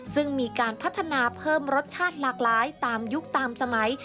ซึ่งมีการพัฒนาเพิ่มรสชาติหลากหลายตามยุคตามสมัย